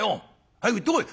早く行ってこい！」。